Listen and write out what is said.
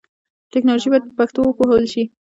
ټکنالوژي باید په پښتو وپوهول شي.